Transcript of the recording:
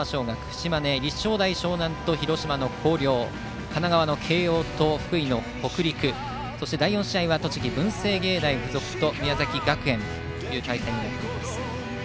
島根の立正大淞南と広陵神奈川の慶応と福井の北陸そして第４試合は栃木の文星芸大付属と宮崎学園という対戦です。